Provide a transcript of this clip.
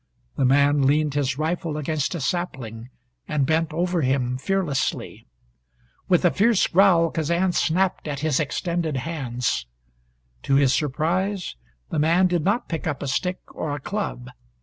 The man leaned his rifle against a sapling and bent over him fearlessly. With a fierce growl Kazan snapped at his extended hands. To his surprise the man did not pick up a stick or a club.